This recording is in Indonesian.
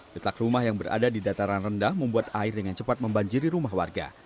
letak rumah yang berada di dataran rendah membuat air dengan cepat membanjiri rumah warga